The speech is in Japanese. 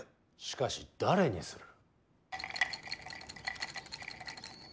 しかし誰にする。